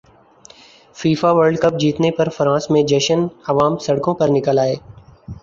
FIFA World cup جیتنے پر France میں جشنعوام سڑکوں پر نکل ائے